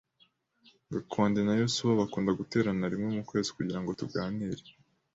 Gakwandi na Yosuwa bakunda guterana rimwe mu kwezi kugirango tuganire.